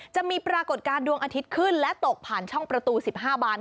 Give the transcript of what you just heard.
ปรากฏการณ์ดวงอาทิตย์ขึ้นและตกผ่านช่องประตู๑๕บาน